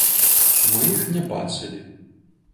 Мы іх не бачылі.